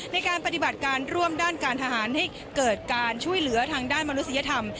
ในการปฏิบัติการร่วมด้านการทหารให้เกิดการช่วยเหลือทางด้านมนุษยธรรม